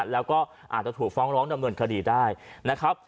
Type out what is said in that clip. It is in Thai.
แล้วก็อาจจะถูกฟ้องร้องดำเนินคดีได้นะครับ